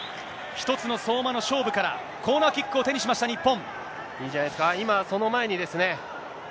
一つの相馬の勝負から、コーナーキックを手にしました、日本。